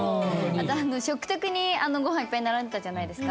食卓にご飯いっぱい並んでたじゃないですか。